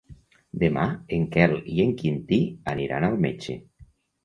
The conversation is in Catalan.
Demà en Quel i en Quintí aniran al metge.